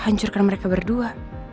hancurkan mereka berdua